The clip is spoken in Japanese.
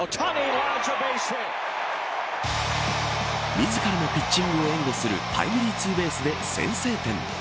自らのピッチングを援護するタイムリーツーベースで先制点。